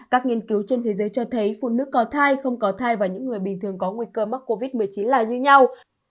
các nghiên cứu trên thế giới cho thấy phụ nữ có thai không có thai và những người bình thường có nguy cơ mắc covid một mươi chín là như nhau